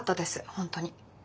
本当に。